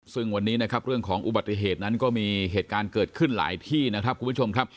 ซึ่งวันนี้นะครับเรื่องของอุบัติเหตุนั้นก็มีเหตุการณ์เกิดขึ้นหลายที่นะครับคุณผู้ชมครับ